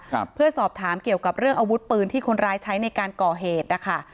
ครับเพื่อสอบถามเกี่ยวกับเรื่องอาวุธปืนที่คนร้ายใช้ในการก่อเหตุนะคะ